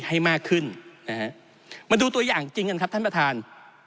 ให้มากขึ้นนะฮะมาดูตัวอย่างจริงกันครับท่านประธาน